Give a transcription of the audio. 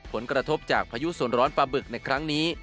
ผลกระทบจากพายุส่วนร้อนปลาบึกในครั้งนี้